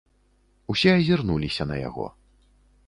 Усе азірнуліся на яго.